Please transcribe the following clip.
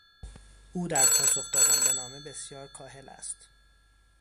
او در پاسخ دادن به نامه بسیار کاهل است.